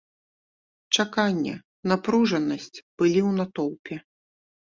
Чаканне, напружанасць былі ў натоўпе.